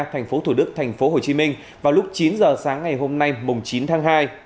thành phố thủ đức thành phố hồ chí minh vào lúc chín h sáng ngày hôm nay mùng chín tháng hai